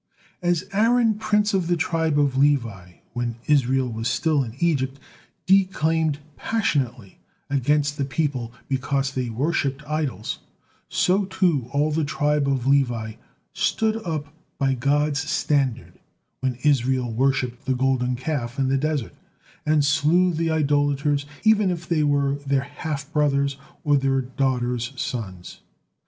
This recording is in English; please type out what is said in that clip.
As Aaron, prince of the tribe of Levi, when Israel was still in Egypt, declaimed passionately against the people because they worshipped idols, so too all the tribe of Levi stood up by God's standard when Israel worshipped the Golden Calf in the desert, and slew the idolaters, even if they were their half brothers or their daughters sons.